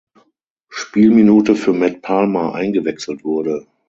Spielminute für Matt Palmer eingewechselt wurde.